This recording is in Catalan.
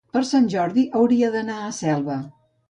Per Sant Jordi hauria d'anar a Selva.